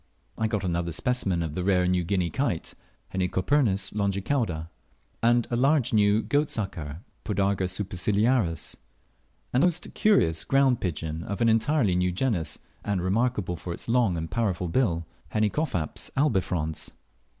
I got another specimen of the rare New Guinea kite (Henicopernis longicauda), a large new goatsucker (Podargus superciliaris), and a most curious ground pigeon of an entirely new genus, and remarkable for its long and powerful bill. It has been named Henicophaps albifrons.